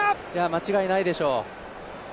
間違いないでしょう。